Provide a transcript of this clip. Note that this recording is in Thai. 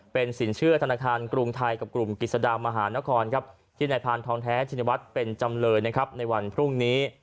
เป็นสินเชื่อธนาคารกรุงไทยกับกลุ่มกิจสดามหานครที่นายพานทองแท้ชินวัฒน์เป็นจำเลยนะครับในวันพรุ่งนี้